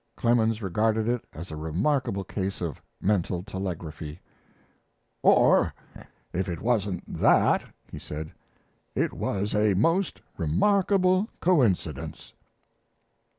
Clemens regarded it as a remarkable case of mental telegraphy. "Or, if it wasn't that," he said, "it was a most remarkable coincidence."